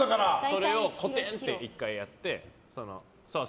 それをこてんって１回やって。